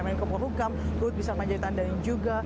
menteri kepala hukum rupi salman jaitan dan juga